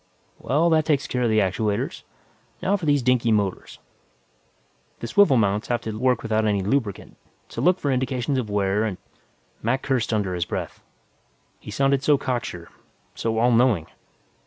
"Well, that takes care of the actuators. Now for these dinky motors. The swivel mounts have to work without any lubricant, so look for indications of wear and " Mac cursed under his breath. He sounded so cocksure, so all knowing.